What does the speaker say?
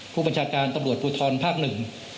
ผู้บัญชาการตำรวจภูทรภาคหนึ่ง